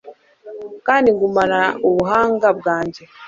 kandi ngumana ubuhanga bwanjye